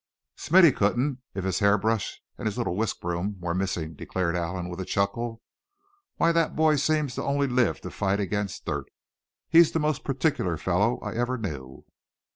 "Smithy couldn't if his hair brush and his little whisk broom were missing," declared Allan, with a chuckle. "Why, that boy seems to only live to fight against dirt. He's the most particular fellow I ever knew."